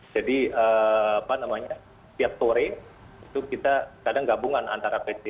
jadi apa namanya tiap sore itu kita kadang gabungan antara perusahaan